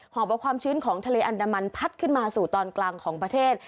อบเอาความชื้นของทะเลอันดามันพัดขึ้นมาสู่ตอนกลางของประเทศ